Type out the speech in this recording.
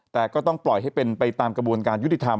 แต่ก็ต้องปล่อยให้เป็นไปตามกระบวนการยุติธรรม